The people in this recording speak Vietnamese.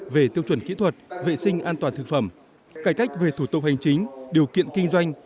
về tiêu chuẩn kỹ thuật vệ sinh an toàn thực phẩm cải cách về thủ tục hành chính điều kiện kinh doanh